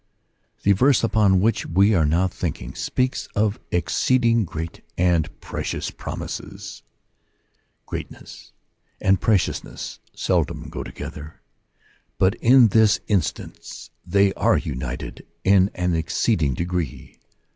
The verse upon which we are now thinking speaks of " exceeding great and precious promises^ Greatness and preciousness seldom go together; but in this instance they are united in an exceeding degree.